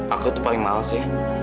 aku tuh paling males ya